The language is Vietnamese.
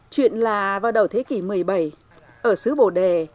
chuyện là vào đầu thế kỷ một mươi bảy ở xứ bồ đề